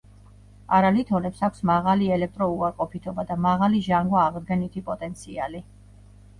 არალითონებს აქვს მაღალი ელექტროუარყოფითობა და მაღალი ჟანგვა-აღდგენითი პოტენციალი.